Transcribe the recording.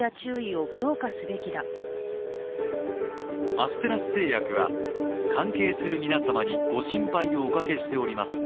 アステラス製薬は関係する皆様にご心配をおかけしております。